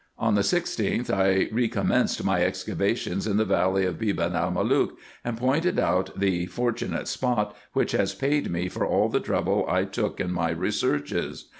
On the 16th I recommenced my excavations in the valley of Beban el Malook, and pointed out the fortunate spot, which has paid me for all the trouble I took in my researches.